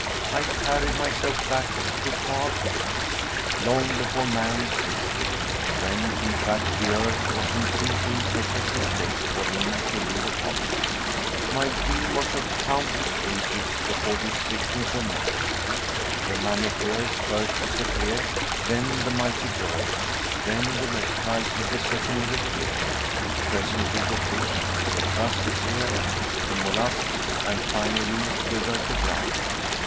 I carried myself back to far ages, long before man existed when, in fact, the earth was in too imperfect a state for him to live upon it. My dream was of countless ages before the existence of man. The mammifers first disappeared, then the mighty birds, then the reptiles of the secondary period, presently the fish, the crustacea, the mollusks, and finally the vertebrata.